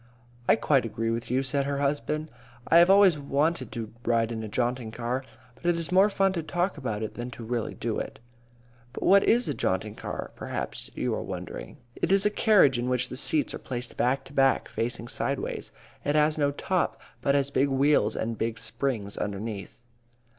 "I quite agree with you," said her husband. "I have always wanted to ride in a jaunting car, but it is more fun to talk about it than to really do it." "But what is a jaunting car?" perhaps you are wondering. It is a carriage in which the seats are placed back to back, facing sideways. It has no top, but has big wheels and big springs underneath.